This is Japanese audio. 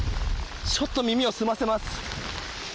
ちょっと耳を澄ませます。